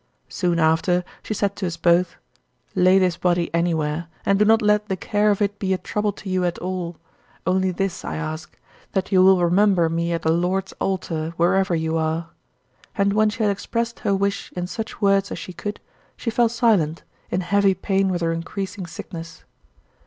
Soon after, she said to us both: "Lay this body anywhere, and do not let the care of it be a trouble to you at all. Only this I ask: that you will remember me at the Lord's altar, wherever you are." And when she had expressed her wish in such words as she could, she fell silent, in heavy pain with her increasing sickness.